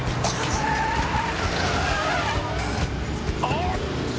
あっ！？